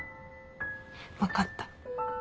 分かった。